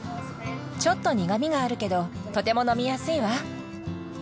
ちょっと苦みがあるけどとても飲みやすいわ。